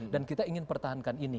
dan kita ingin pertahankan ini